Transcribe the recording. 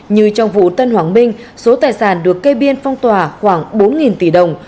như trong vụ tân hoàng minh số tài sản được cây biên phong tỏa khoảng bốn tỷ đồng